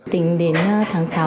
tính đến tháng sáu